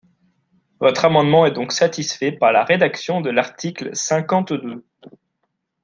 Votre amendement est donc satisfait par la rédaction de l’article cinquante-deux.